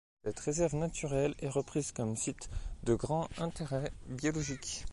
Cette réserve naturelle est reprise comme site de grand intérêt biologique.